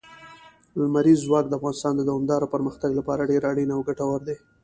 لمریز ځواک د افغانستان د دوامداره پرمختګ لپاره ډېر اړین او ګټور دی.